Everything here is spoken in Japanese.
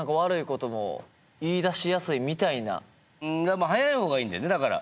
でも何か早い方がいいんだよねだから。